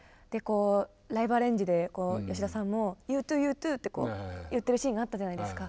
ライブアレンジで吉田さんも「Ｙｏｕｔｏｏ．Ｙｏｕｔｏｏ」って言ってるシーンがあったじゃないですか。